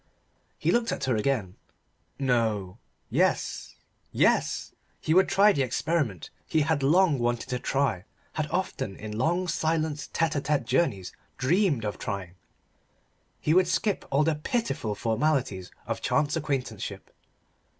He looked at her again. No. Yes. Yes, he would try the experiment he had long wanted to try had often in long, silent, tête à tête journeys dreamed of trying. He would skip all the pitiful formalities of chance acquaintanceship.